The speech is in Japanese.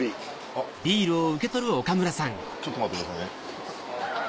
あっちょっと待ってくださいね。